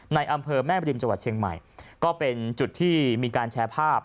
อำเภอแม่มริมจังหวัดเชียงใหม่ก็เป็นจุดที่มีการแชร์ภาพ